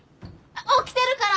起きてるから！